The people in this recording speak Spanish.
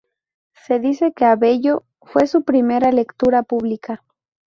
Se dice que Abelló fue su primera lectora pública.